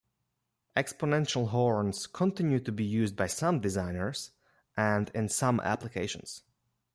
Exponential horns continue to be used by some designers, and in some applications.